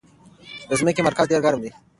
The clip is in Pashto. د ځمکې مرکز ډېر ګرم دی.